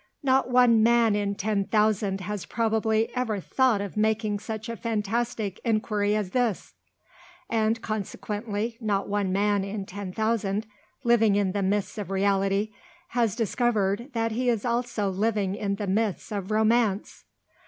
Not one man in ten thousand has probably ever thought of making such a fantastic inquiry as this. And consequently not one man in ten thousand, living in the midst of reality, has discovered that he is also living in the midst of romance.